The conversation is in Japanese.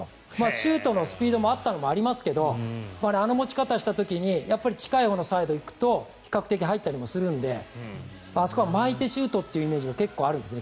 シュートのスピードがあったのもありますがあの持ち方をした時に近いほうのサイドに行くと比較的入ったりもするのであそこは巻いてシュートっていうイメージがあるんですね